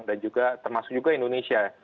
dan juga termasuk juga indonesia